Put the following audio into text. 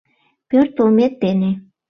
— Пӧртылмет дене.